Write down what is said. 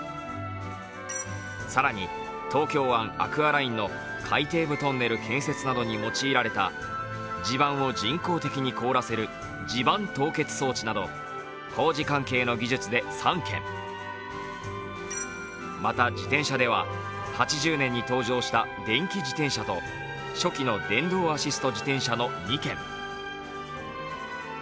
更に東京湾アクアラインの海底部トンネル建設などに用いられた地盤を人工的に凍らせる地盤凍結装置など工事関係の技術で３件、また、自転車では８０年に登場した電気自転車と初期の電動アシスト自転車の２件。